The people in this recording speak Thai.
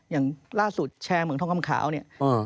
อย่างล่าสุดแชร์เหมืองทองคำขาวเนี่ย